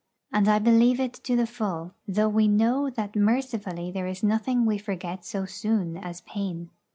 And I believe it to the full; though we know that mercifully there is nothing we forget so soon as pain.